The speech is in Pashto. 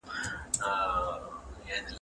د ژوند حق د خدای لخوا ورکړل سوی دی.